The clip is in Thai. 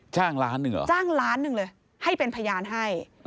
จ้างล้านหนึ่งเหรอจ้างล้านหนึ่งเลยให้เป็นพยานให้